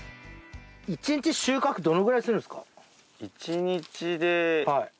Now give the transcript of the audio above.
１日収穫どのくらいするんですか？